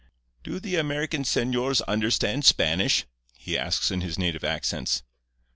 "'Do the American señors understand Spanish?' he asks in his native accents.